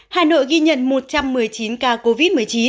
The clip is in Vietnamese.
hà nội ghi nhận một trăm một mươi chín ca covid một mươi chín